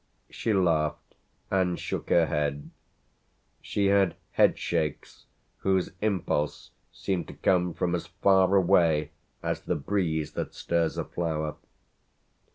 She laughed and shook her head; she had headshakes whose impulse seemed to come from as far away as the breeze that stirs a flower.